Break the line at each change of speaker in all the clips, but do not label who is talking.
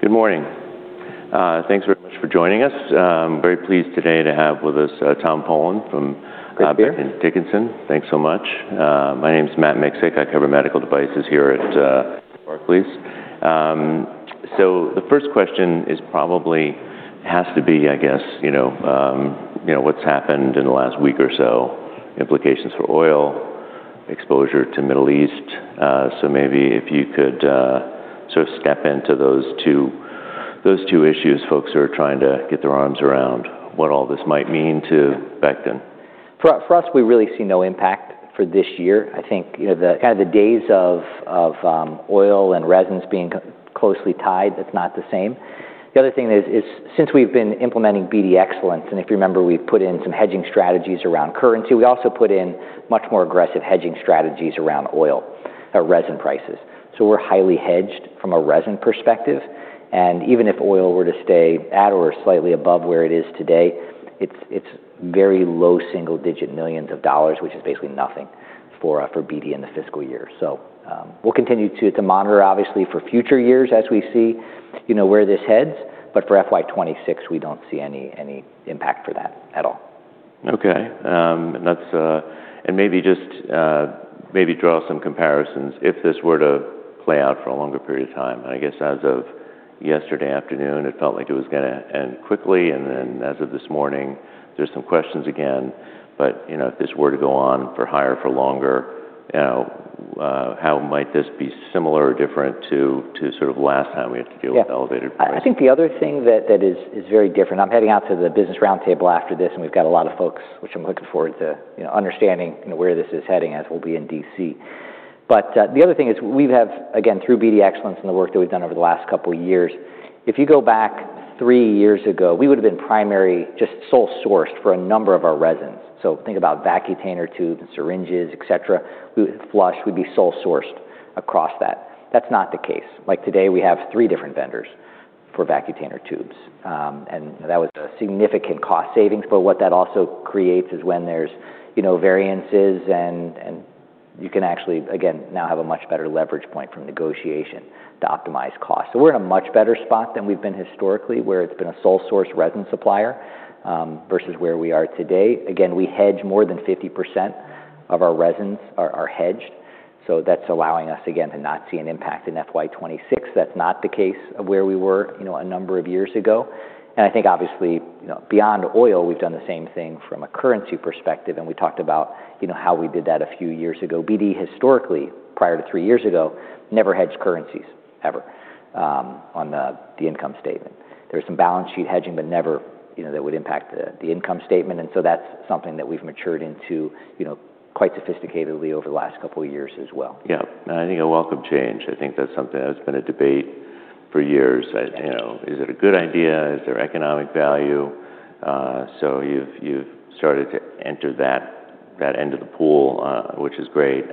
Good morning. Thanks very much for joining us. Very pleased today to have with us, Tom Polen from Becton Dickinson.
Thank you.
Thanks so much. My name's Matt Miksic. I cover medical devices here at Barclays. The first question is probably has to be, I guess, you know, what's happened in the last week or so, implications for oil, exposure to Middle East. Maybe if you could sort of step into those two issues. Folks who are trying to get their arms around what all this might mean to Becton.
For us, we really see no impact for this year. I think, you know, the kind of days of oil and resins being closely tied, that's not the same. The other thing is since we've been implementing BD Excellence, and if you remember, we put in some hedging strategies around currency, we also put in much more aggressive hedging strategies around oil or resin prices. We're highly hedged from a resin perspective. Even if oil were to stay at or slightly above where it is today, it's very low single-digit millions of dollars, which is basically nothing for BD in the fiscal year. We'll continue to monitor obviously for future years as we see, you know, where this heads. For FY 2026, we don't see any impact for that at all.
Okay. Maybe draw some comparisons if this were to play out for a longer period of time. I guess as of yesterday afternoon, it felt like it was gonna end quickly, and then as of this morning, there's some questions again. You know, if this were to go on higher for longer, you know, how might this be similar or different to sort of last time we had to deal with elevated prices?
I think the other thing that is very different. I'm heading out to the Business Roundtable after this, and we've got a lot of folks which I'm looking forward to, you know, understanding, you know, where this is heading as we'll be in D.C. The other thing is we have, again, through BD Excellence and the work that we've done over the last couple years, if you go back three years ago, we would've been primarily just sole sourced for a number of our resins. So think about Vacutainer tubes and syringes, etc. We flush, we'd be sole sourced across that. That's not the case. Like today, we have three different vendors for Vacutainer tubes. And that was a significant cost savings. What that also creates is when there's, you know, variances and you can actually, again, now have a much better leverage point from negotiation to optimize costs. We're in a much better spot than we've been historically, where it's been a sole source resin supplier versus where we are today. Again, we hedge more than 50% of our resins are hedged. That's allowing us again to not see an impact in FY 2026. That's not the case of where we were, you know, a number of years ago. I think obviously, you know, beyond oil, we've done the same thing from a currency perspective, and we talked about, you know, how we did that a few years ago. BD historically, prior to three years ago, never hedged currencies ever on the income statement. There was some balance sheet hedging, but never, you know, that would impact the income statement. That's something that we've matured into, you know, quite sophisticatedly over the last couple years as well.
Yeah. No, I think a welcome change. I think that's something that's been a debate for years. And you know, is it a good idea? Is there economic value? You've started to enter that end of the pool, which is great.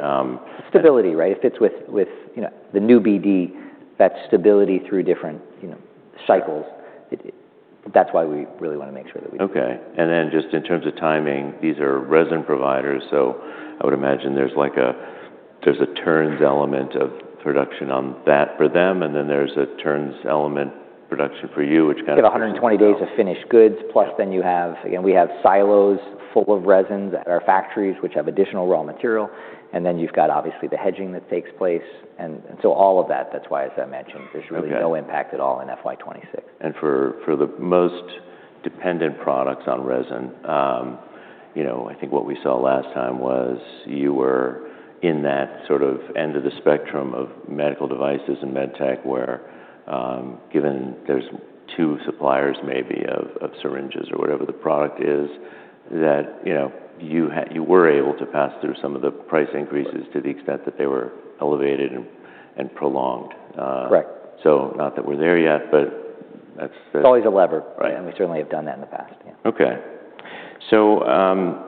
Stability, right? It fits with you know, the new BD. That stability through different, you know, cycles. That's why we really wanna make sure that we do.
Okay. Then just in terms of timing, these are resin providers, so I would imagine there's a turns element of production on that for them, and then there's a turns element production for you, which kind of takes some time.
You have 120 days of finished goods, plus then you have, again, we have silos full of resins at our factories which have additional raw material, and then you've got obviously the hedging that takes place and so all of that's why, as I mentioned. There's really no impact at all in FY 2026.
For the most dependent products on resin, you know, I think what we saw last time was you were in that sort of end of the spectrum of medical devices and med tech where, given there's two suppliers maybe of syringes or whatever the product is that, you know, you were able to pass through some of the price increases to the extent that they were elevated and prolonged.
Correct.
Not that we're there yet, but that's.
It's always a lever.
Right.
We certainly have done that in the past. Yeah.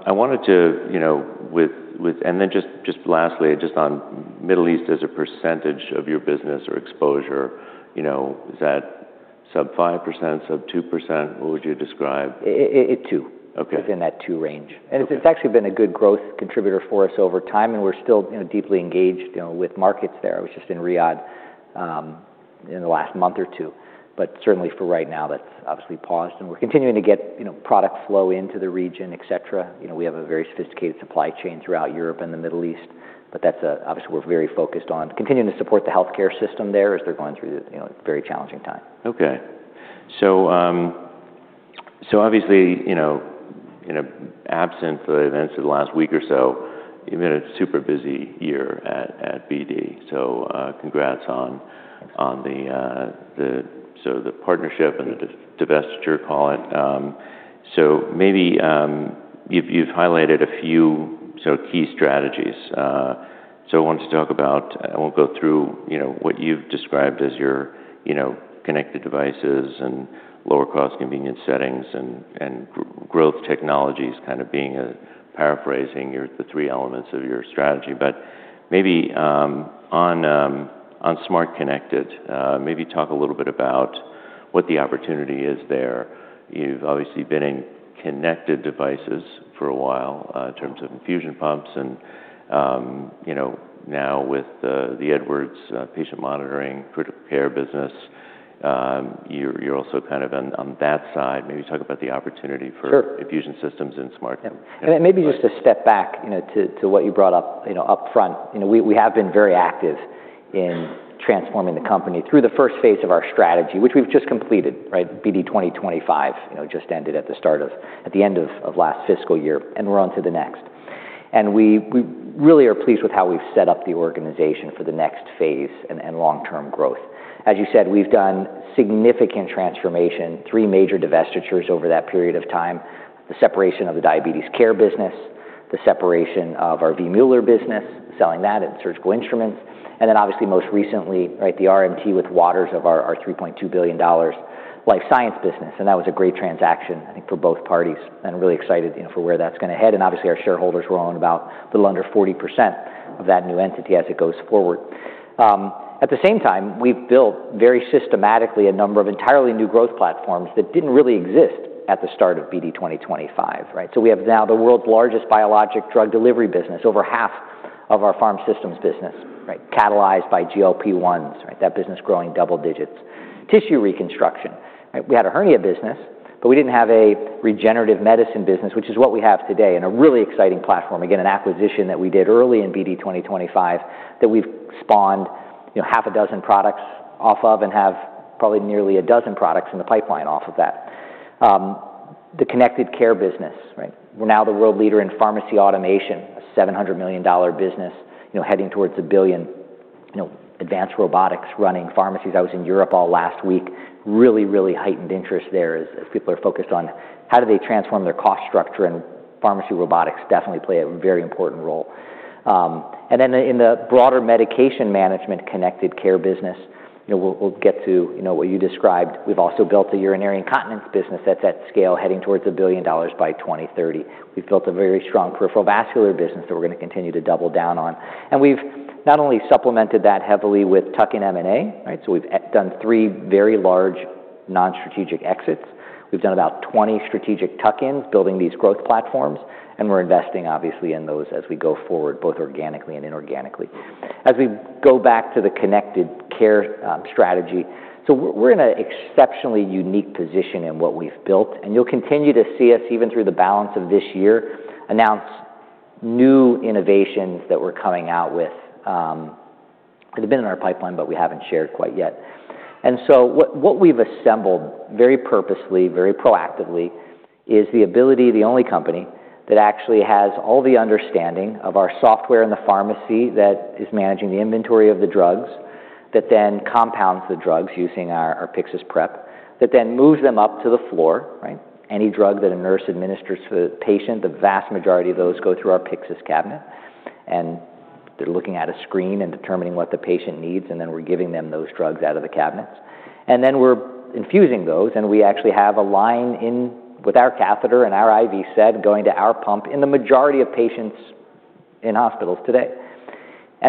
I wanted to, you know, and then just lastly, just on Middle East as a percentage of your business or exposure, you know, is that sub-5%, sub-2%? What would you describe?
It 2. Within that 2 range.
Okay.
It's actually been a good growth contributor for us over time, and we're still, you know, deeply engaged, you know, with markets there, which is in Riyadh, in the last month or two. Certainly for right now, that's obviously paused and we're continuing to get, you know, product flow into the region, etc. You know, we have a very sophisticated supply chain throughout Europe and the Middle East, but that's obviously we're very focused on continuing to support the healthcare system there as they're going through, you know, a very challenging time.
Okay. Obviously, you know, absent the events of the last week or so, you've had a super busy year at BD. Congrats on the partnership and the divestiture, call it. Maybe you've highlighted a few sort of key strategies. I wanted to talk about, I won't go through, you know, what you've described as your connected devices and lower cost convenient settings and growth technologies kind of paraphrasing the three elements of your strategy. Maybe on smart connected, maybe talk a little bit about what the opportunity is there. You've obviously been in connected devices for a while in terms of infusion pumps and, you know, now with the Edwards patient monitoring critical care business, you're also kind of on that side. Maybe talk about the opportunity for infusion systems and smart-
Maybe just to step back, you know, to what you brought up, you know, upfront. You know, we have been very active in transforming the company through the first phase of our strategy, which we've just completed, right? BD 2025, you know, just ended at the end of last fiscal year, and we're onto the next. We really are pleased with how we've set up the organization for the next phase and long-term growth. As you said, we've done significant transformation, three major divestitures over that period of time, the separation of the diabetes care business, the separation of our surgical instruments business, and then obviously most recently, right, the RMT with Waters of our $3.2 billion life science business. That was a great transaction, I think, for both parties, and really excited, you know, for where that's gonna head. Obviously, our shareholders will own about a little under 40% of that new entity as it goes forward. At the same time, we've built very systematically a number of entirely new growth platforms that didn't really exist at the start of BD 2025, right? We have now the world's largest biologic drug delivery business, over half of our Pharma Systems business, right? Catalyzed by GLP-1s, right? That business growing double digits. Tissue reconstruction, right? We had a hernia business, but we didn't have a regenerative medicine business, which is what we have today, and a really exciting platform. Again, an acquisition that we did early in BD 2025 that we've spawned, you know, half a dozen products off of and have probably nearly a dozen products in the pipeline off of that. The connected care business, right? We're now the world leader in pharmacy automation, a $700 million business, you know, heading towards $1 billion, you know, advanced robotics running pharmacies. I was in Europe all last week, really, really heightened interest there as people are focused on how do they transform their cost structure, and pharmacy robotics definitely play a very important role. And then in the, in the broader medication management connected care business, you know, we'll get to, you know, what you described. We've also built a urinary incontinence business that's at scale, heading towards $1 billion by 2030. We've built a very strong peripheral vascular business that we're gonna continue to double down on. We've not only supplemented that heavily with tuck-in M&A, right? We've done three very large non-strategic exits. We've done about 20 strategic tuck-ins building these growth platforms, and we're investing obviously in those as we go forward, both organically and inorganically. As we go back to the connected care strategy. We're in a exceptionally unique position in what we've built, and you'll continue to see us, even through the balance of this year, announce new innovations that we're coming out with that have been in our pipeline, but we haven't shared quite yet. What we've assembled very purposely, very proactively, is the ability of the only company that actually has all the understanding of our software in the pharmacy that is managing the inventory of the drugs, that then compounds the drugs using our Pyxis Prep, that then moves them up to the floor, right? Any drug that a nurse administers to the patient, the vast majority of those go through our Pyxis cabinet. They're looking at a screen and determining what the patient needs, and then we're giving them those drugs out of the cabinets. We're infusing those, and we actually have a line in with our catheter and our IV set going to our pump in the majority of patients in hospitals today.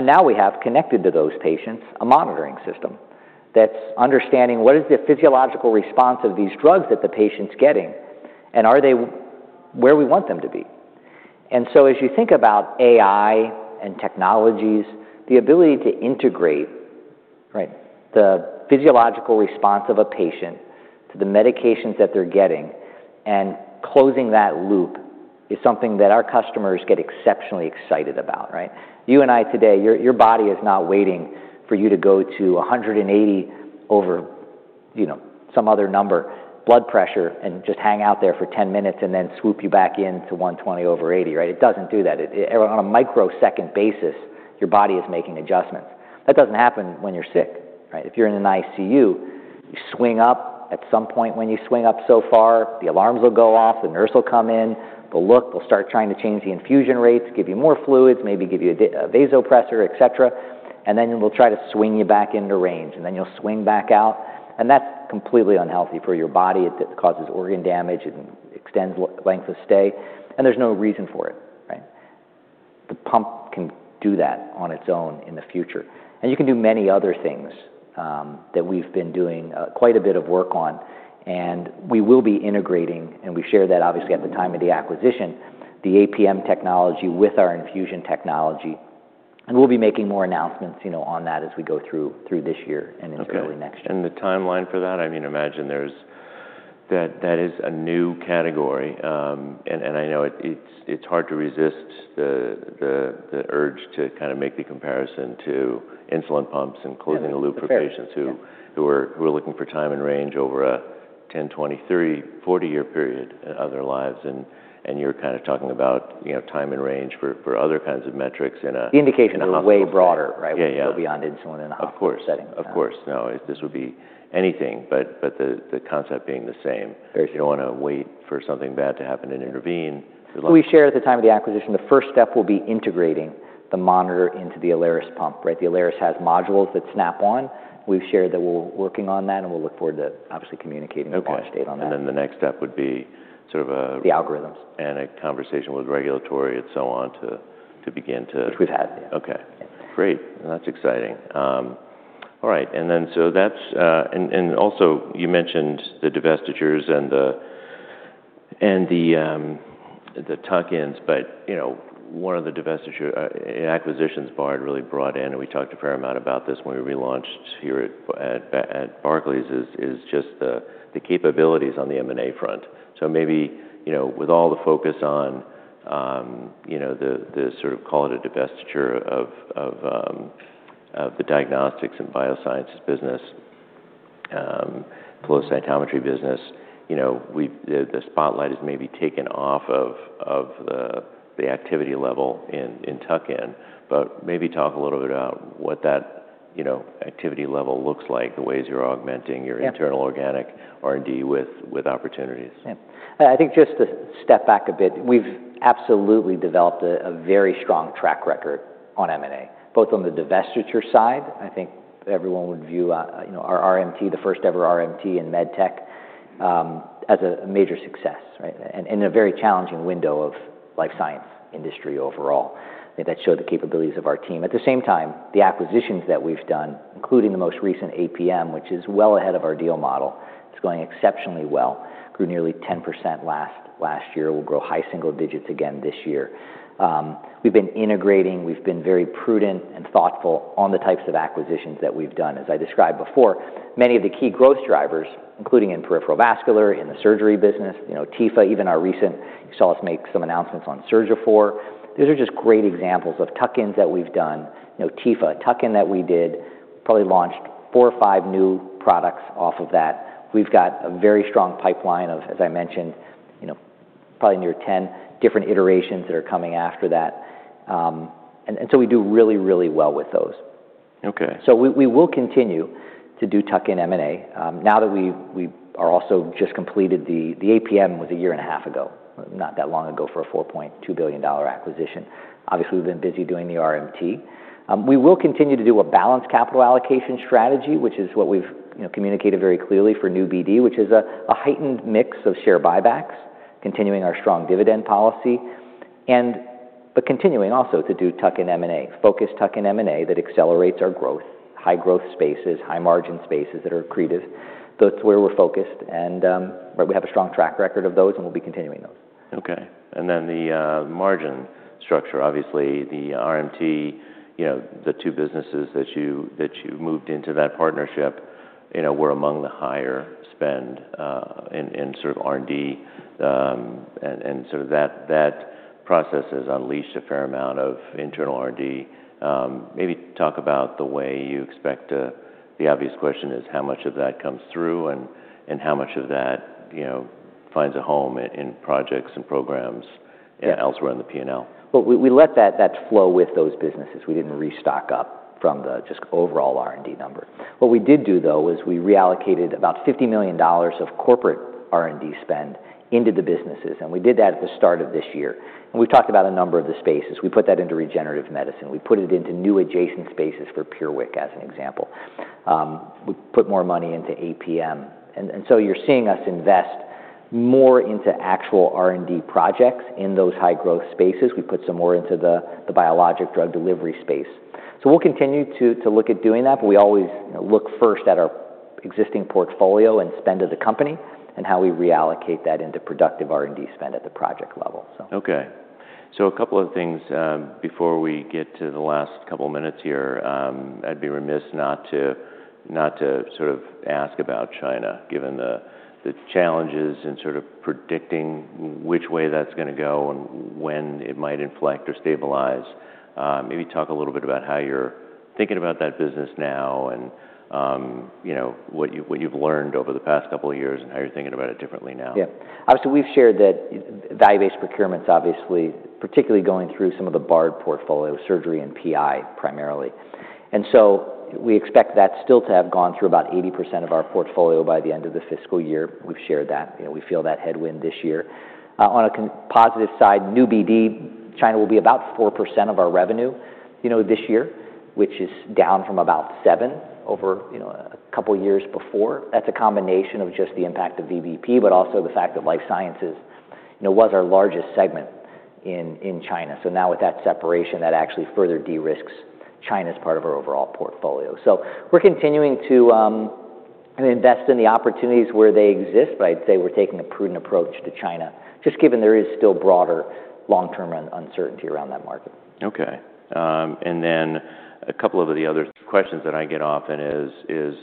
Now we have connected to those patients a monitoring system that's understanding what is the physiological response of these drugs that the patient's getting, and are they where we want them to be? As you think about AI and technologies, the ability to integrate, right, the physiological response of a patient to the medications that they're getting and closing that loop is something that our customers get exceptionally excited about, right? You and I today, your body is not waiting for you to go to 180 over, you know, some other number blood pressure and just hang out there for 10 minutes and then swoop you back in to 120 over 80, right? It doesn't do that. It. On a microsecond basis, your body is making adjustments. That doesn't happen when you're sick, right? If you're in an ICU, you swing up. At some point, when you swing up so far, the alarms will go off, the nurse will come in, they'll look, they'll start trying to change the infusion rates, give you more fluids, maybe give you a vasopressor, etc. We'll try to swing you back into range. You'll swing back out. That's completely unhealthy for your body. It causes organ damage. It extends length of stay. There's no reason for it, right? The pump can do that on its own in the future. You can do many other things that we've been doing quite a bit of work on. We will be integrating, and we shared that obviously at the time of the acquisition, the APM technology with our infusion technology. We'll be making more announcements, you know, on that as we go through this year and into early next year.
Okay. The timeline for that? I mean, imagine that is a new category. I know it's hard to resist the urge to kinda make the comparison to insulin pumps and closing the loop for patients who are looking for time and range over a 10, 20, 30, 40-year period of their lives. You're kinda talking about, you know, time and range for other kinds of metrics in a-
The indication is way broader, right?
In a hospital setting. Yeah, yeah.
We go beyond insulin in a hospital setting.
Of course. No, this would be anything, but the concept being the same.
Very true.
You don't wanna wait for something bad to happen and intervene.
We shared at the time of the acquisition, the first step will be integrating the monitor into the Alaris pump, right? The Alaris has modules that snap on. We've shared that we're working on that, and we'll look forward to obviously communicating the launch date on that. The algorithms which we've had.-
The next step would be a conversation with regulatory and so on to begin to
Yeah.
Great. That's exciting. All right. Also you mentioned the divestitures and the tuck-ins, but you know, one of the acquisitions C. R. Bard really brought in, and we talked a fair amount about this when we relaunched here at Barclays is just the capabilities on the M&A front. Maybe you know, with all the focus on you know, the sort of call it a divestiture of the diagnostics and biosciences business, flow cytometry business, you know, the spotlight is maybe taken off of the activity level in tuck-in. Maybe talk a little bit about what that you know, activity level looks like, the ways you're augmenting your internal organic R&D with opportunities.
Yeah. I think just to step back a bit, we've absolutely developed a very strong track record on M&A, both on the divestiture side. I think everyone would view, you know, our RMT, the first ever RMT in med tech, as a major success, right? And in a very challenging window of life science industry overall. I think that showed the capabilities of our team. At the same time, the acquisitions that we've done, including the most recent APM, which is well ahead of our deal model, it's going exceptionally well. Grew nearly 10% last year, will grow high single digits again this year. We've been integrating, we've been very prudent and thoughtful on the types of acquisitions that we've done. As I described before, many of the key growth drivers, including in peripheral vascular, in the surgery business, you know, Tepha, even our recent. You saw us make some announcements on Surgiphor. These are just great examples of tuck-ins that we've done. You know, Tepha, tuck-in that we did, probably launched 4 or 5 new products off of that. We've got a very strong pipeline of, as I mentioned, you know, probably near 10 different iterations that are coming after that, and so we do really well with those.
Okay.
We will continue to do tuck-in M&A. Now that we've also just completed the APM 1.5 years ago, not that long ago for a $4.2 billion acquisition. Obviously, we've been busy doing the RMT. We will continue to do a balanced capital allocation strategy, which is what we've, you know, communicated very clearly for new BD, which is a heightened mix of share buybacks, continuing our strong dividend policy, but continuing also to do tuck-in M&A, focused tuck-in M&A that accelerates our growth, high growth spaces, high margin spaces that are accretive. That's where we're focused, and we have a strong track record of those, and we'll be continuing those.
Okay. The margin structure. Obviously, the RMT, you know, the two businesses that you moved into that partnership, you know, were among the higher spend in sort of R&D. Sort of that process has unleashed a fair amount of internal R&D. Maybe talk about the way you expect, the obvious question is how much of that comes through and how much of that, you know, finds a home in projects and programs elsewhere in the P&L.
Well, we let that flow with those businesses. We didn't restock up from just the overall R&D number. What we did do, though, is we reallocated about $50 million of corporate R&D spend into the businesses, and we did that at the start of this year. We've talked about a number of the spaces. We put that into regenerative medicine. We put it into new adjacent spaces for PureWick, as an example. We put more money into APM. You're seeing us invest more into actual R&D projects in those high-growth spaces. We put some more into the biologic drug delivery space. We'll continue to look at doing that, but we always, you know, look first at our existing portfolio and spend of the company and how we reallocate that into productive R&D spend at the project level.
Okay. A couple of things before we get to the last couple minutes here. I'd be remiss not to sort of ask about China, given the challenges in sort of predicting which way that's gonna go and when it might inflect or stabilize. Maybe talk a little bit about how you're thinking about that business now and, you know, what you've learned over the past couple of years and how you're thinking about it differently now.
Yeah. Obviously, we've shared that value-based procurement's obviously particularly going through some of the Bard portfolio, surgery and PI primarily. We expect that still to have gone through about 80% of our portfolio by the end of the fiscal year. We've shared that. You know, we feel that headwind this year. On a positive side, New BD China will be about 4% of our revenue, you know, this year, which is down from about 7% over, you know, a couple years before. That's a combination of just the impact of VBP, but also the fact that life sciences, you know, was our largest segment in China. Now with that separation, that actually further de-risks China as part of our overall portfolio. We're continuing to invest in the opportunities where they exist, but I'd say we're taking a prudent approach to China, just given there is still broader long-term uncertainty around that market.
Okay. Then a couple of the other questions that I get often is,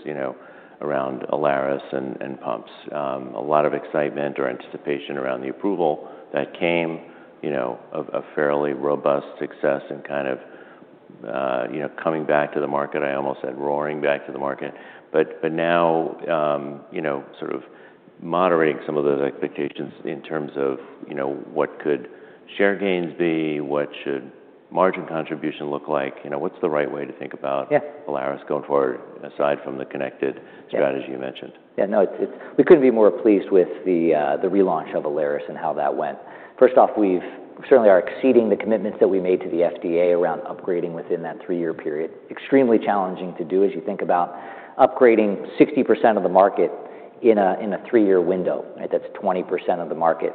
you know, around Alaris and pumps. A lot of excitement or anticipation around the approval that came, you know, a fairly robust success and kind of, you know, coming back to the market, I almost said roaring back to the market. But now, you know, sort of moderating some of those expectations in terms of, you know, what could share gains be? What should margin contribution look like? You know, what's the right way to think about Alaris going forward, aside from the connected strategy you mentioned?
We couldn't be more pleased with the relaunch of Alaris and how that went. First off, we've certainly are exceeding the commitments that we made to the FDA around upgrading within that three-year period. Extremely challenging to do as you think about upgrading 60% of the market in a three-year window. Right? That's 20% of the market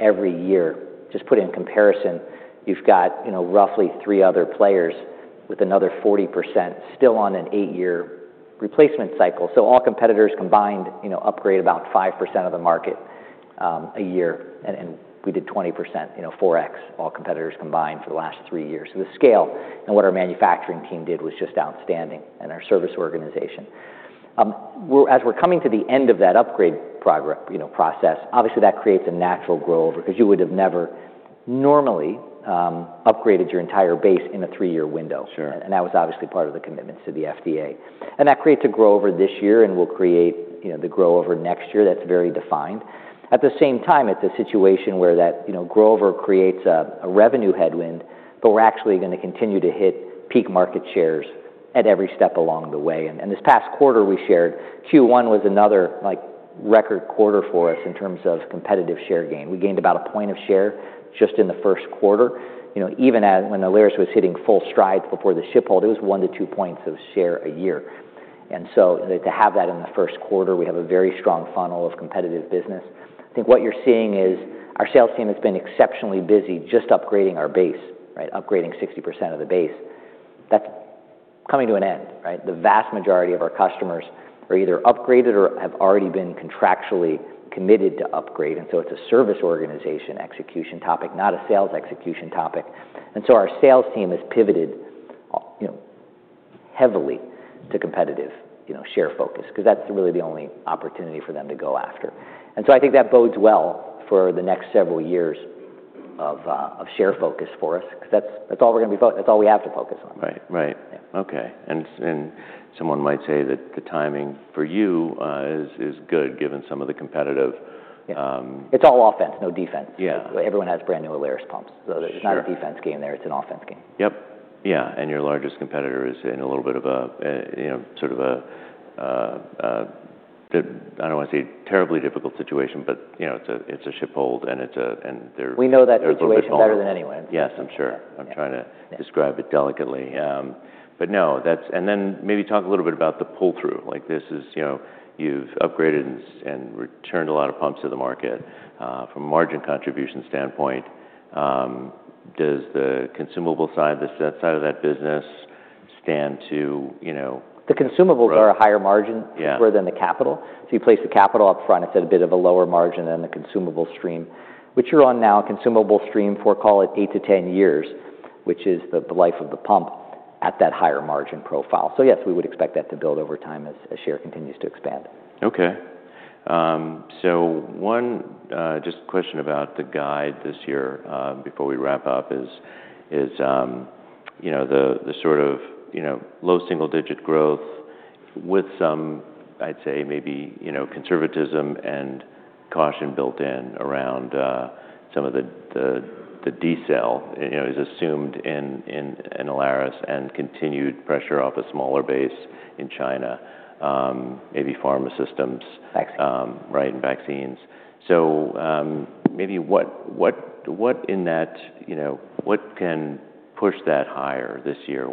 every year. Just put it in comparison, you've got, you know, roughly three other players with another 40% still on an eight-year replacement cycle. So all competitors combined, you know, upgrade about 5% of the market a year, and we did 20%, you know, 4x all competitors combined for the last three years. So the scale and what our manufacturing team did was just outstanding and our service organization. We're coming to the end of that upgrade process. You know, obviously that creates a natural crossover, because you would have never normally upgraded your entire base in a three-year window.
Sure.
That was obviously part of the commitment to the FDA. That creates a growth over this year and will create, you know, the growth over next year that's very defined. At the same time, it's a situation where that, you know, growth over creates a revenue headwind, but we're actually gonna continue to hit peak market shares at every step along the way. This past quarter we shared Q1 was another, like, record quarter for us in terms of competitive share gain. We gained about a point of share just in the first quarter. You know, even when Alaris was hitting full stride before the ship hold, it was 1-2 points of share a year. To have that in the first quarter, we have a very strong funnel of competitive business. I think what you're seeing is our sales team has been exceptionally busy just upgrading our base, right? Upgrading 60% of the base. That's coming to an end, right? The vast majority of our customers are either upgraded or have already been contractually committed to upgrade. It's a service organization execution topic, not a sales execution topic. Our sales team has pivoted, you know, heavily to competitive, you know, share focus, 'cause that's really the only opportunity for them to go after. I think that bodes well for the next several years of share focus for us, 'cause that's all we have to focus on.
Right.
Yeah.
Okay. Someone might say that the timing for you is good, given some of the competitive.
Yeah. It's all offense, no defense. Everyone has brand-new Alaris pumps.
Sure.
It's not a defense game there, it's an offense game.
Yeah. Your largest competitor is in a little bit of a, you know, I don't wanna say terribly difficult situation, but, you know, it's a ship hold and they're-
We know that situation better than anyone.
Yes, I'm sure. I'm trying to describe it delicately. No, maybe talk a little bit about the pull-through. Like, this is, you know, you've upgraded and returned a lot of pumps to the market. From a margin contribution standpoint, does the consumable side, the S-side of that business stand to, you know-
The consumables are a higher margin more than the capital. If you place the capital up front, it's at a bit of a lower margin than the consumable stream, which you're on now. Consumable stream for, call it, 8-10 years, which is the life of the pump at that higher margin profile. Yes, we would expect that to build over time as share continues to expand.
Okay. One just question about the guide this year before we wrap up is, you know, the sort of, you know, low single-digit growth with some, I'd say, maybe, you know, conservatism and caution built in around some of the decel, you know, is assumed in Alaris and continued pressure off a smaller base in China. Maybe pharma systems.
Vaccines?
Right, in vaccines. Maybe what in that, you know, what can push that higher this year?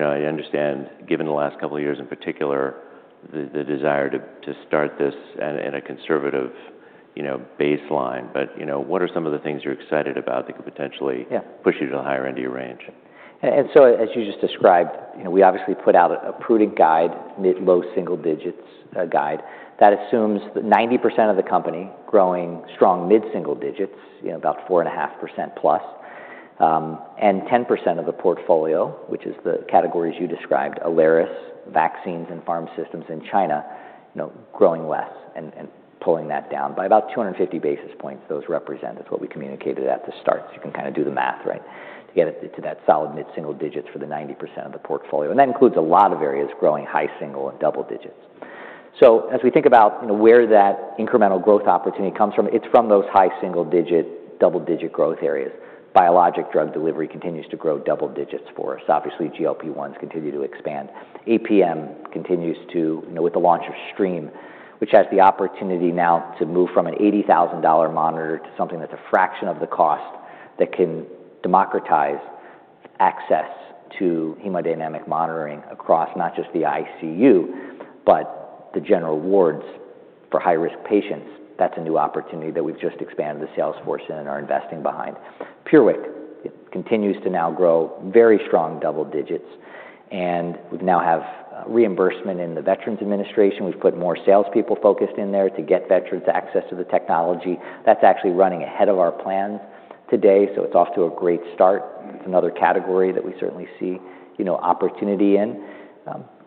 I understand given the last couple of years in particular, the desire to start this at, in a conservative, you know, baseline. You know, what are some of the things you're excited about that could potentially push you to the higher end of your range?
As you just described, you know, we obviously put out a prudent guide, mid- to low-single-digits guide. That assumes that 90% of the company growing strong mid-single digits, you know, about 4.5%+, and 10% of the portfolio, which is the categories you described, Alaris, vaccines and pharma systems in China, you know, growing less and pulling that down by about 250 basis points. Those represent what we communicated at the start. You can kinda do the math, right, to get it to that solid mid-single digits for the 90% of the portfolio. That includes a lot of areas growing high-single and double digits. As we think about, you know, where that incremental growth opportunity comes from, it's from those high-single-digit, double-digit growth areas. Biologic drug delivery continues to grow double digits for us. Obviously, GLP-1s continue to expand. APM continues to, you know, with the launch of Stream, which has the opportunity now to move from an $80,000 monitor to something that's a fraction of the cost that can democratize access to hemodynamic monitoring across not just the ICU, but the general wards for high-risk patients. That's a new opportunity that we've just expanded the sales force in and are investing behind. PureWick continues to now grow very strong double digits, and we now have reimbursement in the Veterans Administration. We've put more salespeople focused in there to get veterans access to the technology. That's actually running ahead of our plan today, so it's off to a great start. It's another category that we certainly see, you know, opportunity in.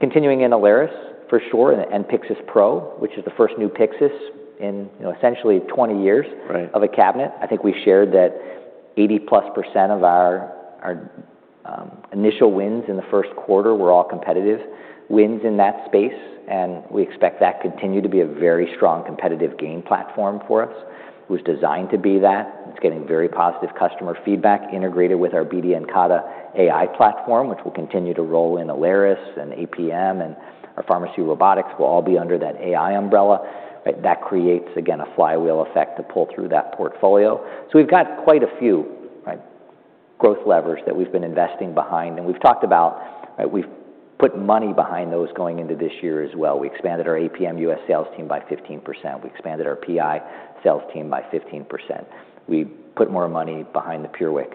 Continuing in Alaris for sure, and Pyxis Pro, which is the first new Pyxis in, you know, essentially 20 years of a cabinet. I think we shared that 80%+ of our initial wins in the first quarter were all competitive wins in that space, and we expect that to continue to be a very strong competitive gain platform for us. It was designed to be that. It's getting very positive customer feedback integrated with our BD and Incada AI platform, which will continue to roll out in Alaris and APM, and our pharmacy robotics will all be under that AI umbrella, right? That creates, again, a flywheel effect to pull through that portfolio. We've got quite a few, right, growth levers that we've been investing behind. We've talked about, right, we've put money behind those going into this year as well. We expanded our APM US sales team by 15%. We expanded our PI sales team by 15%. We put more money behind the PureWick,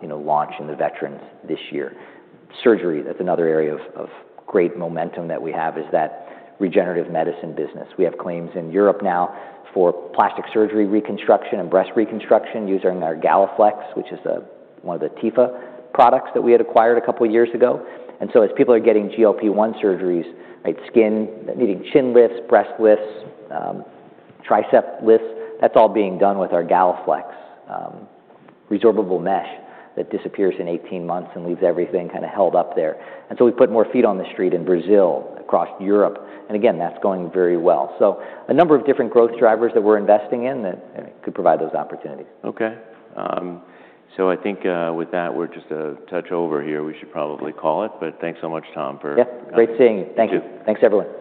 you know, launch in the Veterans this year. Surgery, that's another area of great momentum that we have, is that regenerative medicine business. We have claims in Europe now for plastic surgery reconstruction and breast reconstruction using our GalaFLEX, which is one of the Tepha products that we had acquired a couple years ago. As people are getting GLP-1 surgeries, right, skin needing chin lifts, breast lifts, tricep lifts, that's all being done with our GalaFLEX, resorbable mesh that disappears in 18 months and leaves everything kinda held up there. We've put more feet on the street in Brazil, across Europe, and again, that's going very well. A number of different growth drivers that we're investing in that could provide those opportunities.
Okay. I think, with that, we're just a touch over here. We should probably call it. Thanks so much, Tom.
Yeah. Great seeing you. Thank you.
Thank you.
Thanks, everyone.